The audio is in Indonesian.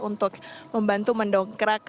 untuk membantu mendongkrak